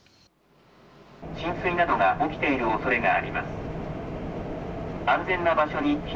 浸水などが起きている可能性があります。